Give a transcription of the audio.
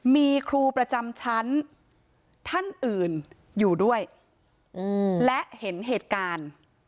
มีครูประจำชั้นท่านอื่นอยู่ด้วยและเห็นเหตุการณ์